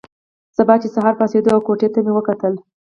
سبا چې سهار پاڅېدو او کوټې ته مې وکتل.